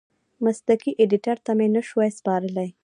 مسلکي ایډېټر ته مې نشوای سپارلی.